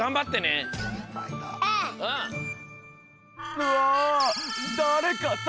うわ！